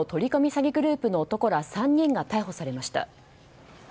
詐欺グループの男ら３人が逮捕されました。